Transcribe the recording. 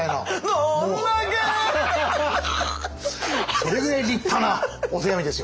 それぐらい立派なお手紙ですよ。